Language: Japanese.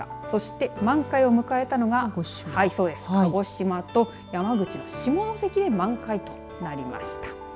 そして満開を迎えたのが鹿児島と山口の下関で満開となりました。